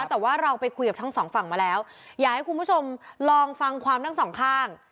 แต่ว่าเราไปคุยกับทั้งสองฝั่งมาแล้วอยากให้คุณผู้ชมลองฟังความทั้งสองข้าง